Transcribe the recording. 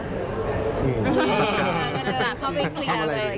ก็จะเข้าไปเคลียร์เอามาเลย